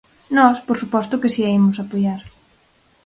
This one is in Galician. Nós, por suposto que si a imos apoiar.